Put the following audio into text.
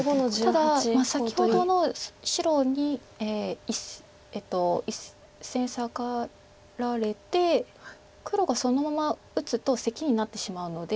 ただ先ほどの白に１線サガられて黒がそのまま打つとセキになってしまうので。